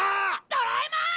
ドラえもん！